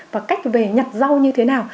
và cách về nhặt rau như thế nào